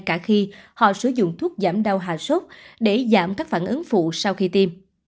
cả khi họ sử dụng thuốc giảm đau hạ sốt để giảm các phản ứng phụ sau khi tiêm